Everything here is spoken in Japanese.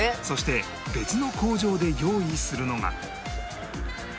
そして別の工場で用意するのが